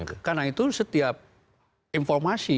nah karena itu setiap informasi dalam pengawasan terhadap asas asas umum